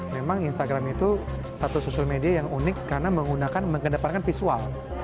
memang instagram itu satu social media yang unik karena menggunakan mengedepankan visual